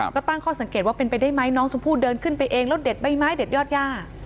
ก็ตั้งข้อสังเกตว่าเป็นไปได้ไหมน้องชมพู่เดินขึ้นไปเองแล้วเด็ดใบไม้เด็ดยอดย่า